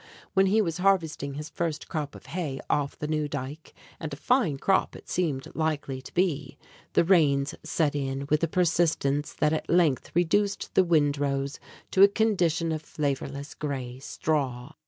When he was harvesting his first crop of hay off the new dike and a fine crop it seemed likely to be the rains set in with a persistence that at length reduced the windrows to a condition of flavorless gray straw.